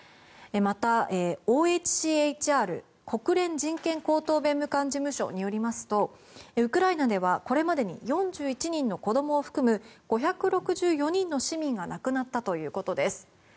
また、ＯＨＣＨＲ・国連人権高等弁務官事務所によりますとウクライナではこれまでに４１人の子どもを含む５６４人の市民が亡くなったということです。